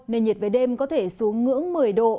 nền nhiệt về đêm có thể xuống ngưỡng một mươi độ